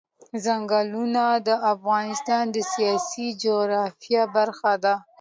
ځنګلونه د افغانستان د سیاسي جغرافیه برخه ده.